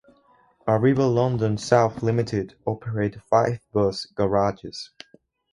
Arriva London South Limited operate five bus garages.